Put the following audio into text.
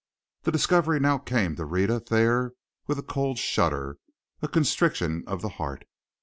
The discovery now came to Rhetta Thayer with a cold shudder, a constriction of the heart.